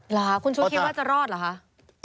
หรอคุณชุดคิดว่าจะรอดหรอคะ